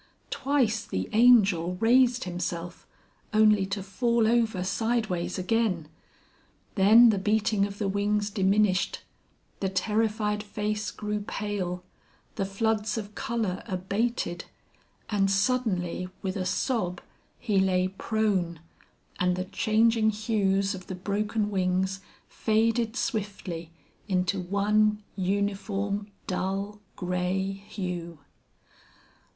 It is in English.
Twice the Angel raised himself, only to fall over sideways again. Then the beating of the wings diminished, the terrified face grew pale, the floods of colour abated, and suddenly with a sob he lay prone, and the changing hues of the broken wings faded swiftly into one uniform dull grey hue.